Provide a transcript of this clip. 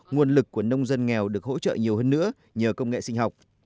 nguồn lực của nông dân nghèo được hỗ trợ nhiều hơn nữa nhờ công nghệ sinh học